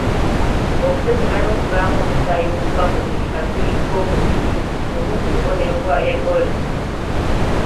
Okusesema n'okuvaamu omusaayi okuva mu buli katuli k'omubiri bumu ku bubonero bwa Ebola.